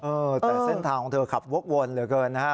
เออแต่เส้นทางของเธอขับวกวนเหลือเกินนะฮะ